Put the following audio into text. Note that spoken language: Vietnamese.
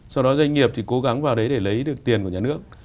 sau đó doanh nghiệp thì cố gắng vào đấy để lấy được tiền của nhà nước